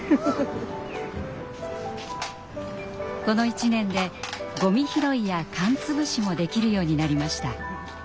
この１年でゴミ拾いや缶潰しもできるようになりました。